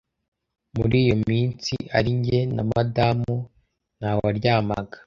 muri iyo minsi ari njye na madamu ntawaryamaga